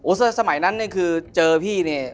โอ้สักสมัยนั้นคือเจอพี่เนี่ย